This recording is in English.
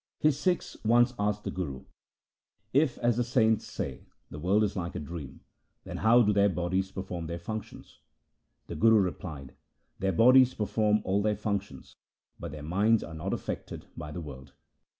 His Sikhs once asked the Guru, ' If, as the saints say, the world is like a dream, then how do their bodies perform their functions ?' The Guru replied, ' Their bodies perform all their functions, but their minds are not affected by the world.